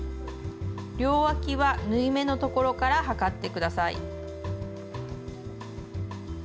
両わきは縫い目のところから測ってください。